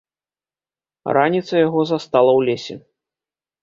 Раніца яго застала ў лесе.